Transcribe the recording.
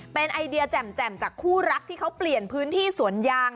เป็นไอเดียแจ่มจากคู่รักที่เขาเปลี่ยนพื้นที่สวนยาง